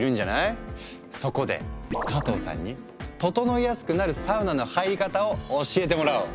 そこで加藤さんにととのいやすくなるサウナの入り方を教えてもらおう。